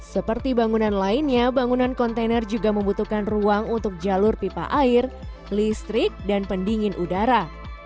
seperti bangunan lainnya bangunan kontainer juga membutuhkan ruang untuk jalur pipa air listrik dan pendingin udara